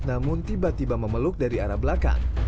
namun tiba tiba memeluk dari arah belakang